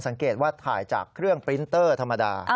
สังเกตว่าถ่ายจากเครื่องปรินเตอร์ธรรมดา